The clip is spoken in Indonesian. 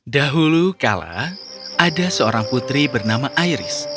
dahulu kala ada seorang putri bernama iris